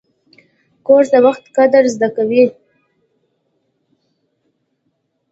کورس د وخت قدر زده کوي.